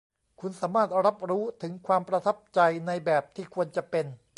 คุณสามารถรับรู้ถึงความประทับใจในแบบที่ควรจะเป็น